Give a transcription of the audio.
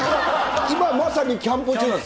今まさにキャンプ中なんです